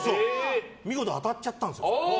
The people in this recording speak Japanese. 見事当たっちゃったんです。